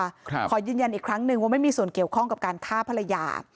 ขอยืนยันอีกครั้งหนึ่งว่าไม่มีส่วนเกี่ยวข้องกับการฆ่าภรรยา